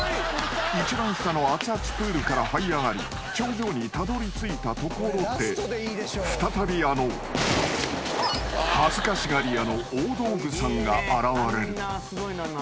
［一番下のアツアツプールからはい上がり頂上にたどりついたところで再びあの恥ずかしがり屋の大道具さんが現れる］